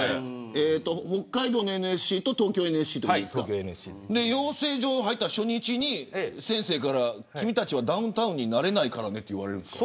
北海道のＮＳＣと東京ＮＳＣですか養成所入った初日に先生から君たちはダウンタウンになれないからねって言われるんですか。